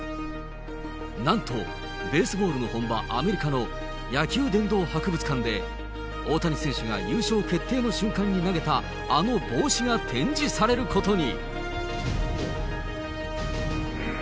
なんとベースボールの本場、アメリカの野球殿堂博物館で、大谷選手が優勝決定の瞬間に投げたあの帽子が展示されることに。